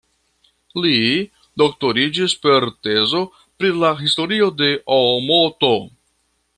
Li doktoriĝis per tezo pri la historio de Oomoto.